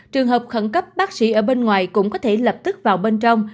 trường hợp khẩn cấp bác sĩ ở bên ngoài cũng có thể lập tức vào bên trong